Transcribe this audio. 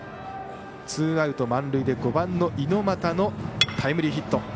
ツーアウト満塁で５番の猪俣のタイムリーヒット。